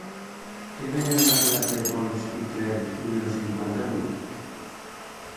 Què venen a la plaça de Pons i Clerch número cinquanta-vuit?